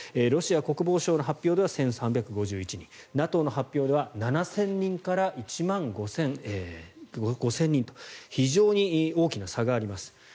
ロシア国防省の発表では１３５１人ＮＡＴＯの発表では７０００人から１万５０００人と非常に大きな差があります。